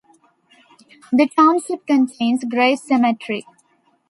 The township contains Grace Cemetery.